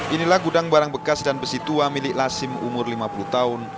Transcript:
inilah gudang barang bekas dan besi tua milik lasim umur lima puluh tahun